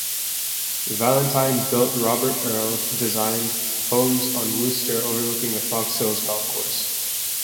Valentine built Robert Earl designed homes on Wooster overlooking the Fox Hills golf course.